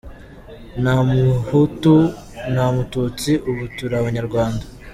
Nta muhutu, nta mututsi, ubu turi Abanyarwanda.